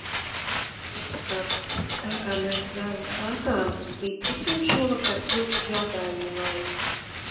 Otrkārt, tā kā mēs vēlu sākām, līdz cikiem šovakar ilgs jautājumu laiks?